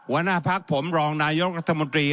หัวหน้าพักผมรองนายกรัฐมนตรี